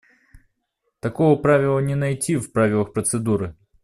Такого правила не найти в правилах процедуры.